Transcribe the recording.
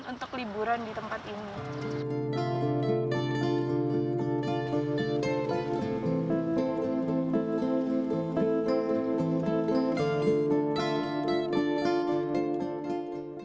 untuk liburan di tempat ini